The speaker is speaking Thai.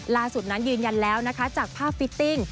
ล่าสุดนั้นยืนยันแล้วนะคะจากภาพฟิตติ้ง